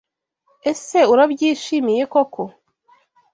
Ese Urabyishimiye koko?